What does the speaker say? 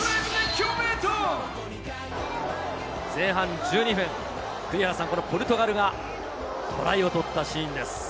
前半１２分、栗原さん、ポルトガルがトライを取ったシーンです。